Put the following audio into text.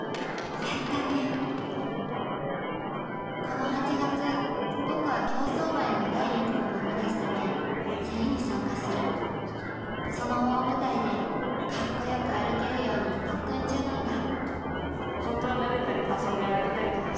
やったねこの８月僕は競走馬への第一歩を踏み出すためせりに参加するその大舞台でカッコ良く歩けるように特訓中なんだ